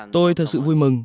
tôi thật sự vui mừng